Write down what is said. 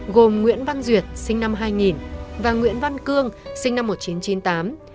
gồm nguyễn văn duyệt sinh năm hai nghìn và nguyễn văn cương sinh năm một nghìn chín trăm chín mươi tám